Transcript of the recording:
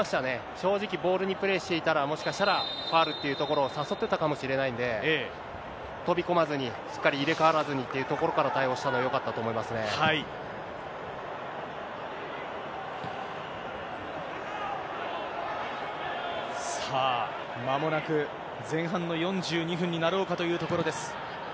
正直ボールにプレーしていたら、もしかしたら、ファウルっていうところを誘ってたかもしれないんで、飛び込まずにしっかり入れ代わらずってところで対応したところがよかったとさあ、まもなく、前半の４２分になろうかというところです。